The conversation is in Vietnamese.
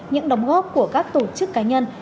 những đóng góp của các tổ chức cá nhân